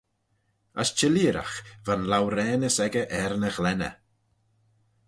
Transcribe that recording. As çhelleeragh va'n louraanys echey er ny ghlenney.